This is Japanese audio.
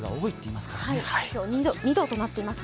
今日は２度となっています。